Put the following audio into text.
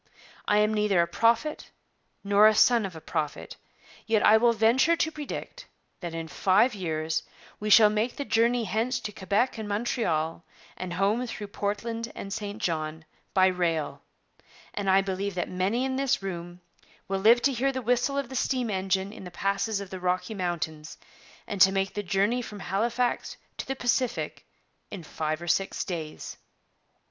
I am neither a prophet nor a son of a prophet, yet I will venture to predict that in five years we shall make the journey hence to Quebec and Montreal and home through Portland and St John, by rail; and I believe that many in this room will live to hear the whistle of the steam engine in the passes of the Rocky Mountains and to make the journey from Halifax to the Pacific in five or six days.'